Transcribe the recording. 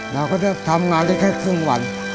เราก็จะทำงานได้แค่ครึ่งวัน